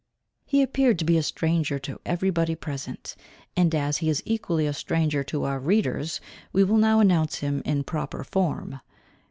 He appeared to be a stranger to every body present. And, as he is equally a stranger to our readers, we will now announce him in proper form.